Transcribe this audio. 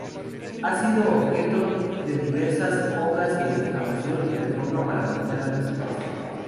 Ha sido objeto de diversas obras de excavación y reforma para habilitar las visitas.